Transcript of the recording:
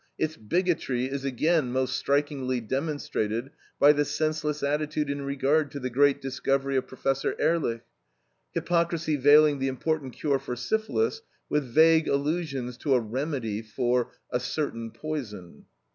Its bigotry is again most strikingly demonstrated by the senseless attitude in regard to the great discovery of Prof. Ehrlich, hypocrisy veiling the important cure for syphilis with vague allusions to a remedy for "a certain poison."